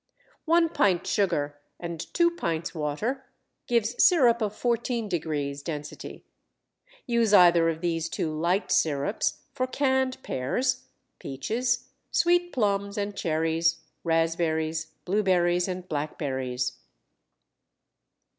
One pint sugar and 2 pints water gives sirup of 14° density: Use either of these two light sirups for canned pears, peaches, sweet plums, and cherries, raspberries, blueberries, and blackberries.